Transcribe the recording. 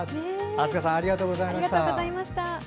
あすかさんありがとうございました。